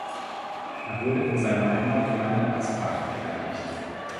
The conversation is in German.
Er wurde in seiner Heimatgemeinde Aspach beerdigt.